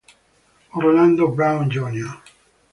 Orlando Brown Jr.